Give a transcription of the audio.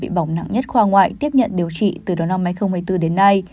bị bỏng nặng nhất khoa ngoại tiếp nhận điều trị từ đầu năm hai nghìn hai mươi bốn đến nay